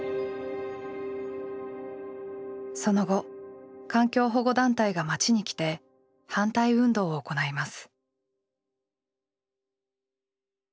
その後環境保護団体が町に来て反対運動を行います。